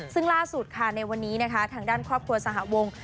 ซึ่งล่าสุดค่ะในวันนี้นะคะทางด้านครอบครัวสหวง